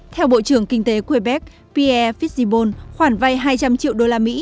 theo bộ trưởng kinh tế quebec pierre fitzsibon khoản vai hai trăm linh triệu đô la mỹ